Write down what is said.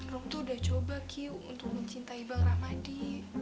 rom tuh udah coba ki untuk mencintai bang rahmadi